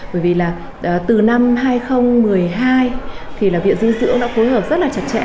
bởi vì là từ năm hai nghìn một mươi hai thì là viện dinh dưỡng đã phối hợp rất là chặt chẽ